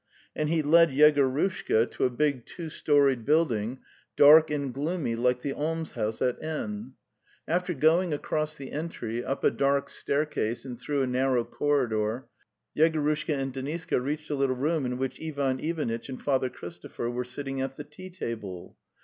And he led Yegorushka to a big two storied build ing, dark and gloomy like the almshouse at N. 286 The Tales of Chekhov After going across the entry, up a dark staircase and through a narrow corridor, Yegorushka and Deniska reached a little room in which Ivan Ivanitch and Father Christopher were sitting at the tea table.